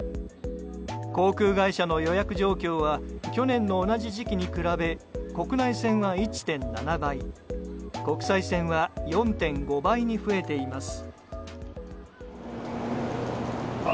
航空会社の予約状況は去年の同じ時期に比べ国内線は１．７倍国際線は４．５倍に増えています。